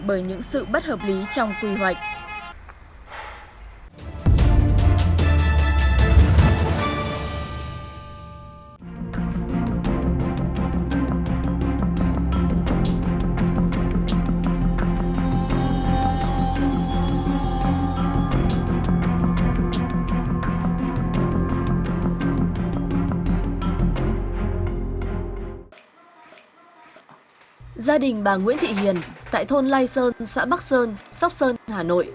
bởi những sự bất hợp lý trong quy hoạch